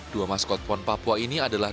dua maskot pon papua ini adalah